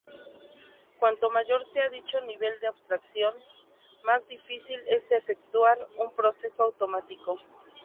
Cuanto mayor sea dicho nivel de abstracción, más difícil es efectuar un proceso automático.